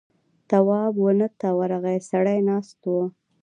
تواب ونه ته ورغی سړی ناست و.